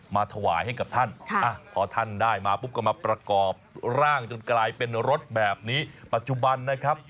มาถวายให้กับท่านพอท่านได้มาปุ๊บก็มาประกอบร่างจนกลายเป็นรถแบบนี้ปัจจุบันนะครับ